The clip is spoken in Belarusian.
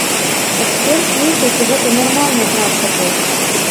Эксперт лічыць гэта нармальнай практыкай.